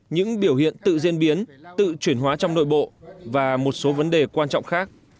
những biểu hiện tự diễn biến tự chuyển hóa trong nội bộ và một số vấn đề quan trọng khác